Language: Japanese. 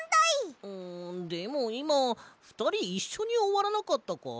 でもいまふたりいっしょにおわらなかったか？